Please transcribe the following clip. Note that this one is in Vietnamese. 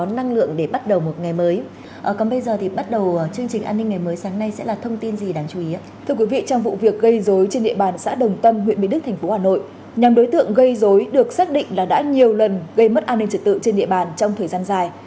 nhàm đối tượng gây dối được xác định là đã nhiều lần gây mất an ninh trật tự trên địa bàn trong thời gian dài